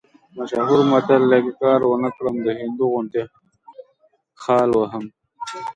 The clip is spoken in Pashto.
مشهور متل دی: که کار ونه کړم، د هندو غوندې خال وهم.